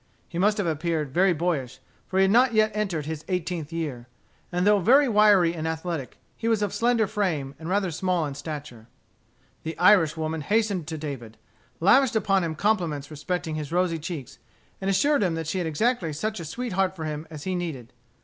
He must have appeared very boyish, for he had not yet entered his eighteenth year, and though very wiry and athletic, he was of slender frame, and rather small in stature. The Irish woman hastened to David; lavished upon him compliments respecting his rosy cheeks, and assured him that she had exactly such a sweet heart for him as he needed.